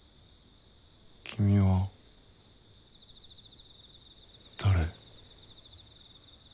君は誰？